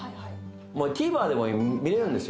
ＴＶｅｒでも見られるんですよ。